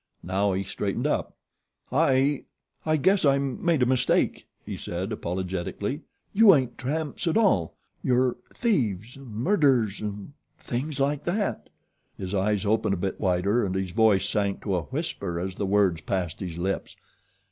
Now he straightened up. "I guess I made a mistake," he said, apologetically. "You ain't tramps at all. You're thieves and murderers and things like that." His eyes opened a bit wider and his voice sank to a whisper as the words passed his lips.